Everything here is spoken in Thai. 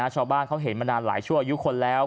ชาวบ้านเขาเห็นมานานหลายชั่วอายุคนแล้ว